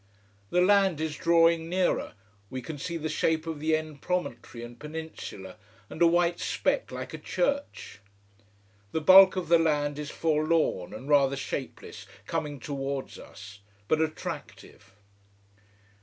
The land is drawing nearer we can see the shape of the end promontory and peninsula and a white speck like a church. The bulk of the land is forlorn and rather shapeless, coming towards us: but attractive.